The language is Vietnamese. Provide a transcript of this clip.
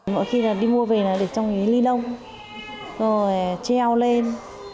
mỗi khi đi mua về là để trong cái ly lông rồi treo lên